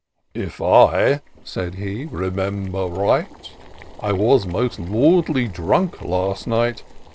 " If I," said he, " remember right, I was most lordly dnmk last night